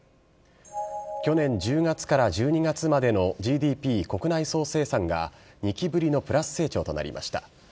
去年１０月から１２月までのＧＤＰ・国内総生産が、２期ぶりのプラス成長となりました。